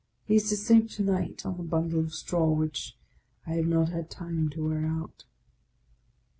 He is to sleep to night on the bun dle of straw which I have not had time to wear out.